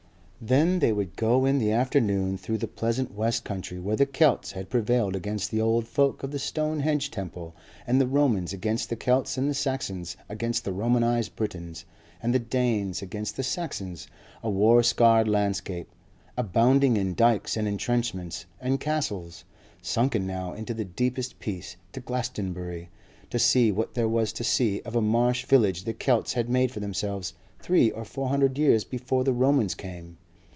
Then they would go in the afternoon through the pleasant west country where the Celts had prevailed against the old folk of the Stonehenge temple and the Romans against the Celts and the Saxons against the Romanized Britons and the Danes against the Saxons, a war scarred landscape, abounding in dykes and entrenchments and castles, sunken now into the deepest peace, to Glastonbury to see what there was to see of a marsh village the Celts had made for themselves three or four hundred years before the Romans came.